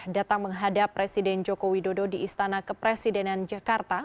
datang menghadap presiden joko widodo di istana kepresidenan jakarta